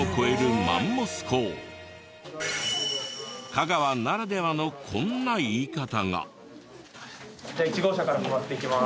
香川ならではのこんな言い方が。